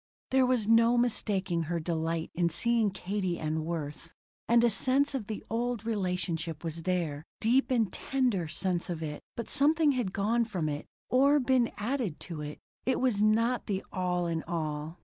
There was no mistaking her delight in seeing Katie and Worth. And a sense of the old relationship was there deep and tender sense of it; but something had gone from it, or been added to it. It was not the all in all.